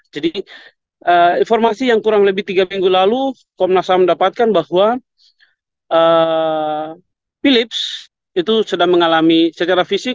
jadi informasi yang kurang lebih tiga minggu lalu komnas ham dapatkan bahwa philips itu sedang mengalami secara fisik